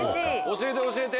教えて教えて。